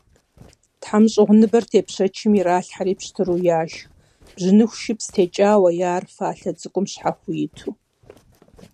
ТхьэмщӀыгъуныбэр тепщэчым иралъхьэри пщтыру яшх, бжьыныху шыпс текӀауэ е ар фалъэ цӀыкӀум щхьэхуэу иту.